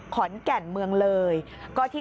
ขอนแก่งเมืองเลยปีก้อที่